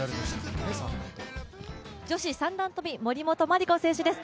女子三段跳び、森本麻里子選手です。